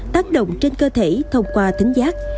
tác động trên cơ thể thông qua thính giác